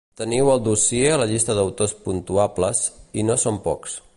Teniu al dossier la llista d'autors puntuables, i no són pocs.